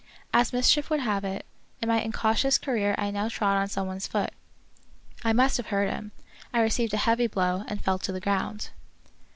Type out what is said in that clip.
As mischief would have it, in my incau tious career I now trod on some one's foot. I must have hurt him; I received a heavy blow, and fell to the ground.